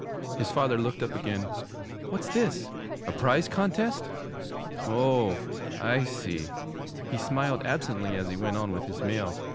His father looked up again. 'What's this? A prize contest? Oh, I see.' He smiled absently as he went on with his mail.